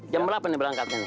jam berapa nih berangkatnya